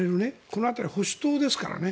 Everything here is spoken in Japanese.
この辺りは保守党ですからね。